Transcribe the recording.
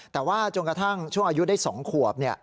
แต่ว่าจนกระทั่งช่วงอายุได้๒ขวบ